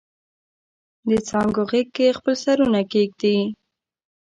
دڅانګو غیږ کې خپل سرونه کښیږدي